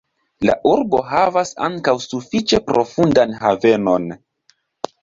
La urbo havas ankaŭ sufiĉe profundan havenon.